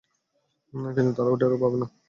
কিন্তু তারা টেরও পাবে না।